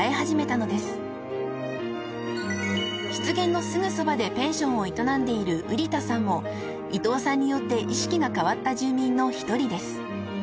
［湿原のすぐそばでペンションを営んでいる瓜田さんも伊東さんによって意識が変わった住民の１人です］